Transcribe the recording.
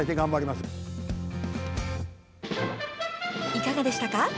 いかがでしたか。